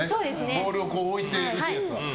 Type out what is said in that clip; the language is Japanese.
ボールを置いて打つやつは。